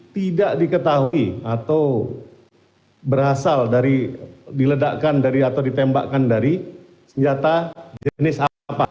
tidak diketahui atau berasal dari diledakkan dari atau ditembakkan dari senjata jenis apa